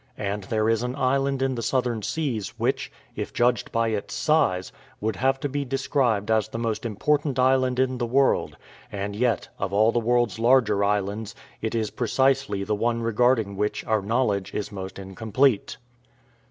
And there is an island in the southern seas which, if judged by its size, would have to be described as the most important island in the world, and yet, of all the world's larger islands, it is precisely the one regarding which our knowledge is most incomplete.